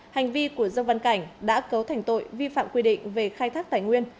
hành vi của dương văn cảnh đã cấu thành tội vi phạm quy định về khai thác tài nguyên